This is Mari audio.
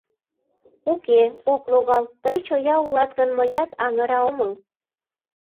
Уке, ок логал, тый чоя улат гын, мыят аҥыра омыл.